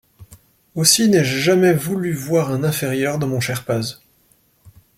Aussi n’ai-je jamais voulu voir un inférieur dans mon cher Paz.